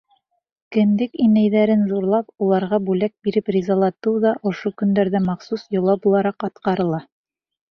Кендек инәйҙәрен ҙурлап, уларға бүләк биреп ризалатыу ҙа ошо көндәрҙә махсус йола булараҡ атҡарыла.